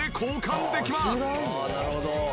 なるほど。